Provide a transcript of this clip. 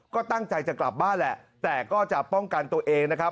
ก็ตั้งใจจะกลับบ้านแหละแต่ก็จะป้องกันตัวเองนะครับ